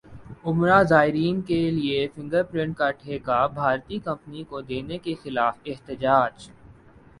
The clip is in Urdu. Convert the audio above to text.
عمرہ زائرین کیلئے فنگر پرنٹ کا ٹھیکہ بھارتی کمپنی کو دینے کیخلاف احتجاج